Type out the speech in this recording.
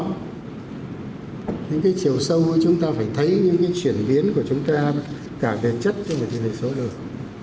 những cái chiều sâu chúng ta phải thấy những cái chuyển biến của chúng ta cả về chất cũng là chuyển biến số lượng